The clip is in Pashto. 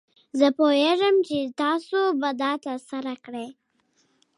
زه پوهیږم چې تاسو به دا ترسره کړئ.